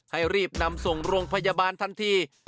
ให้รีบนำส่งโรงพยาบาลทันที